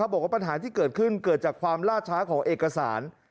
บอกว่าปัญหาที่เกิดขึ้นเกิดจากความล่าช้าของเอกสาร